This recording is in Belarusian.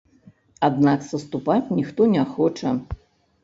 Аднак саступаць ніхто не хоча.